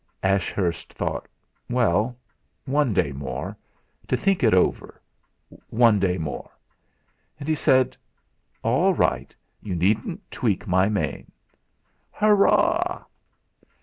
Ashurst thought: 'Well one day more to think it over! One day more!' And he said: "All right! You needn't tweak my mane!" "Hurrah!"